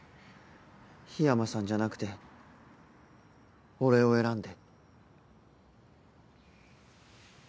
緋山さんじゃなくて俺を選んで。